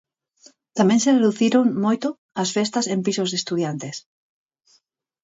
Tamén se reduciron, moito, as festas en pisos de estudantes.